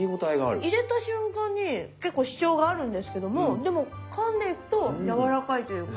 入れた瞬間に結構主張があるんですけどもでもかんでいくとやわらかいというか。